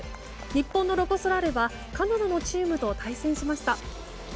日本のロコ・ソラーレはカナダのチームと対戦しました。